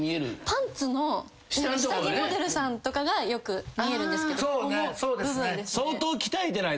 パンツの下着モデルさんとかがよく見えるんですけどこの部分ですね。